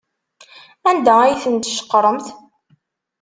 Anda ay tent-tceqremt?